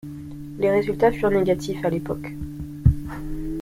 Les résultats furent négatifs à l'époque.